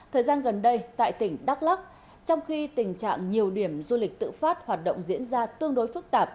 thời gian gần đây tại tỉnh đắk lắc trong khi tình trạng nhiều điểm du lịch tự phát hoạt động diễn ra tương đối phức tạp